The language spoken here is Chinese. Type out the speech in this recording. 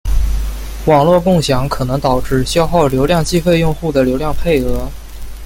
网络共享可能导致消耗流量计费用户的流量配额。